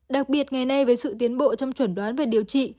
đặc biệt ngày nay với sự tiến bộ trong chuẩn đoán về điều trị